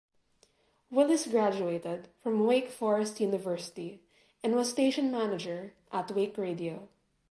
Willis graduated from Wake Forest University and was station manager at Wake Radio.